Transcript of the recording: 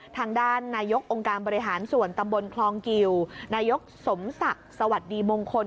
ทางด้านนายกองค์การบริหารส่วนตำบลคลองกิวนายกสมศักดิ์สวัสดีมงคล